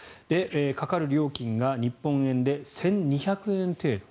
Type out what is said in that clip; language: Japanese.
かかる料金が日本円で１２００円程度。